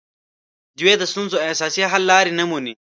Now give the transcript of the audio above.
دوی د ستونزو اساسي حل لارې نه مومي